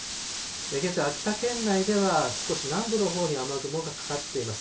現在、秋田県内では少し南部のほうに雨雲がかかっています。